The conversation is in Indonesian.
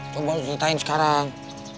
coba lu ceritain sekarang